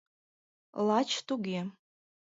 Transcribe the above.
— Лач туге!